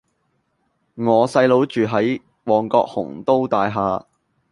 我細佬住喺旺角鴻都大廈